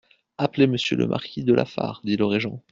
Appelez monsieur le marquis de Lafare, dit le régent.